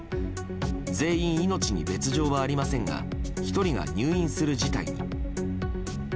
全員、命に別条はありませんが１人が入院する事態に。